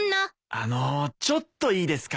あのちょっといいですか？